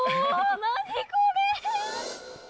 何これ！